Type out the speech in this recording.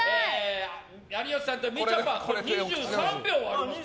有吉さんとみちょぱ２３秒あります。